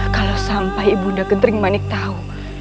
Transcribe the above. kalau sampai ibuna gentering manik tau